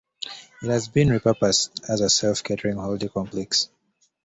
It has been re-purposed as a self-catering holiday complex.